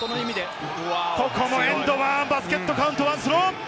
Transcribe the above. ここもエンド１、バスケットカウントワンスロー。